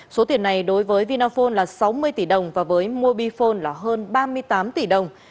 số tiền này đối với vinaphone là sáu mươi tỷ đồng và với mobifone là hơn ba mươi tám tỷ đồng